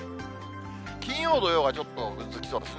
金曜、土曜はちょっとぐずつきそうですね。